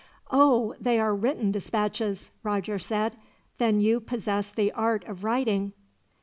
"Oh, they are written dispatches?" Roger said. "Then you possess the art of writing?"